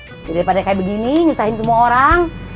jadi daripada kayak begini nyesahin semua orang